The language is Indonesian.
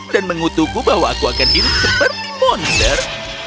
dan mengutukku bahwa aku akan hidup seperti monster